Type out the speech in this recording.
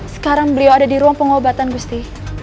sekarang beliau ada di ruang pengobatan gusti